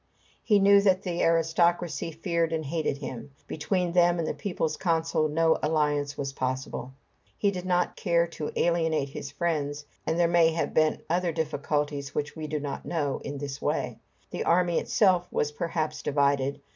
He knew that the aristocracy feared and hated him. Between them and the people's consul no alliance was possible. He did not care to alienate his friends, and there may have been other difficulties which we do not know, in his way. The army itself was perhaps divided.